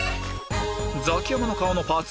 ザキヤマの顔のパーツ